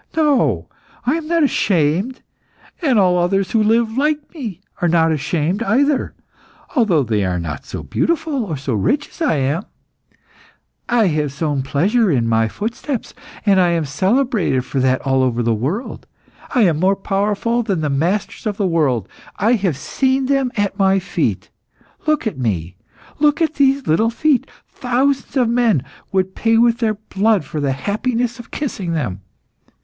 No, I am not ashamed, and all others who live like me are not ashamed either, although they are not so beautiful or so rich as I am. I have sown pleasure in my footsteps, and I am celebrated for that all over the world. I am more powerful than the masters of the world. I have seen them at my feet. Look at me, look at these little feet; thousands of men would pay with their blood for the happiness of kissing them.